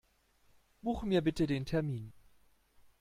Buche mir bitten den Termin.